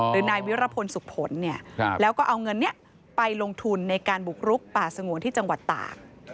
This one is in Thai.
หรือนายวาระพลสุขพลแล้วก็เอาเงินเนี่ยไปลงทุนในการบุคลุกป่าสงวนที่จังหวัดตาก